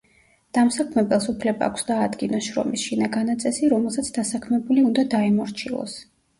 დამსაქმებელს უფლება აქვს დაადგინოს შრომის შინაგანაწესი, რომელსაც დასაქმებული უნდა დაემორჩილოს.